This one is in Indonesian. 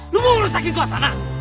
lo mau merusakin suasana